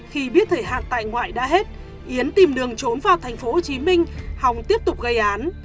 khi biết thời hạn tại ngoại đã hết yến tìm đường trốn vào thành phố hồ chí minh hồng tiếp tục gây án